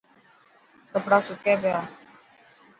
ڪپڙا سڪي پيا.